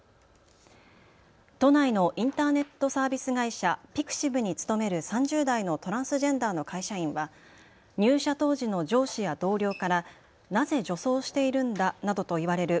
都内のインターネットサービス会社、ピクシブに勤める３０代のトランスジェンダーの会社員は入社当時の上司や同僚から、なぜ女装しているんだなどと言われるＳＯＧＩ